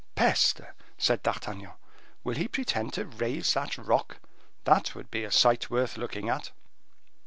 "Peste!" said D'Artagnan, "will he pretend to raise that rock? that would be a sight worth looking at."